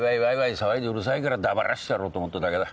騒いでうるさいから黙らしてやろうと思っただけだ。